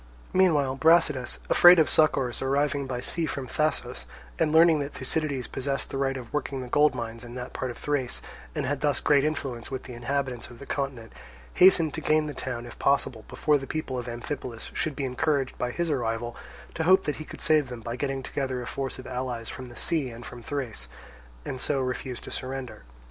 Meanwhile Brasidas, afraid of succours arriving by sea from Thasos, and learning that Thucydides possessed the right of working the gold mines in that part of Thrace, and had thus great influence with the inhabitants of the continent, hastened to gain the town, if possible, before the people of Amphipolis should be encouraged by his arrival to hope that he could save them by getting together a force of allies from the sea and from Thrace, and so refuse to surrender.